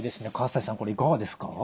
西さんこれいかがですか？